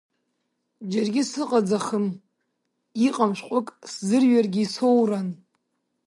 Џьаргьы сыҟаӡахым иҟам шәҟәык сзырҩыргьы исоуран.